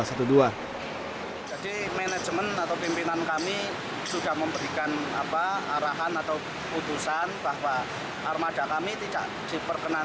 itu juga haknya mereka pakai yang mau melayani itu juga haknya mereka